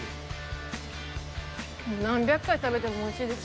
もう何百回食べてもおいしいです。